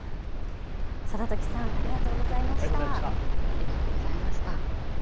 定時さん、ありがとうございました。